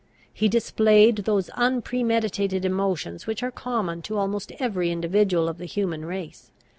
He displayed those unpremeditated emotions which are common to almost every individual of the human race.